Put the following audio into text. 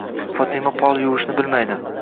Fotima pol yuvishni bilmaydi.